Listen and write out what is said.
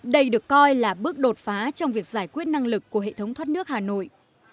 đây được coi là bước đột phá trong việc giải quyết năng lực của hệ thống thoát nước hà nội